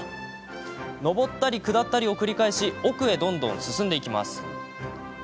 上ったり下ったりを繰り返し奥へどんどん進んでいきます。